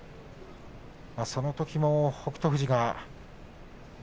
そのときも北勝富士が。